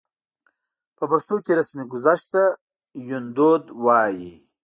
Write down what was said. په پښتو کې رسمګذشت ته يوندود وايي.